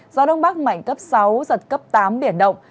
gió đông bắc mạnh cấp sáu giật cấp tám biển động